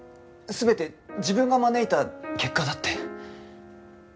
全て自分が招いた結果だって。